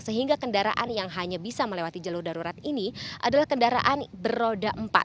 sehingga kendaraan yang hanya bisa melewati jalur darurat ini adalah kendaraan beroda empat